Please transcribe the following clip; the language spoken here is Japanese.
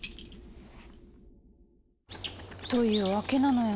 というわけなのよ。